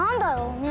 ねえ。